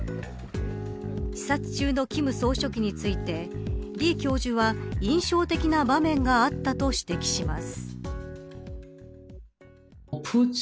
視察中の金総書記について李教授は印象的な場面があったと指摘します。